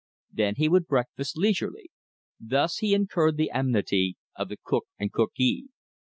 Then he would breakfast leisurely. Thus he incurred the enmity of the cook and cookee.